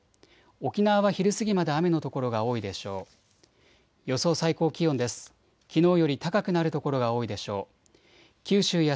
沖縄は昼過ぎまで雨の所が多いでしょう。